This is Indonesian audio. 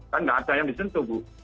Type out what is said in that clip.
kan nggak ada yang disentuh bu